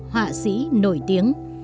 họa sĩ nổi tiếng